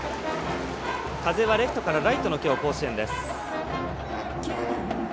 風はレフトからライトのきょう、甲子園です。